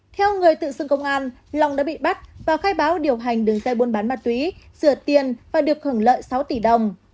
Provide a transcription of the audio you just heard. theo người tự xưng công an long đã bị bắt và khai báo điều hành đường dây buôn bán ma túy rửa tiền và được hưởng lợi sáu tỷ đồng